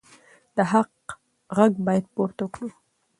د حق غږ باید پورته کړو.